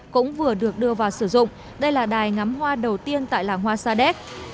cũng vừa được đưa vào sử dụng đây là đài ngắm hoa đầu tiên tại làng hoa sa đéc